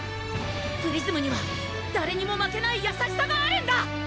プリズムには誰にも負けない優しさがあるんだ！